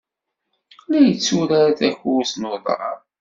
La yetturar takurt n uḍar.